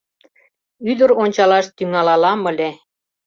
Ӱдыр ончалаш тӱҥалалам ыле.